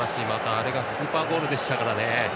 あれがスーパーゴールでしたからね。